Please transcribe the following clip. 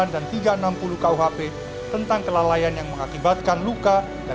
tiga ratus lima puluh sembilan dan tiga ratus enam puluh kau hp tentang kelalaian yang mengakibatkan luka dan kematian